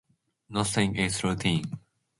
Nothing is routine.